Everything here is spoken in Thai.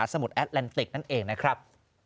สมุดแอดแลนติกนั่นเองนะครับ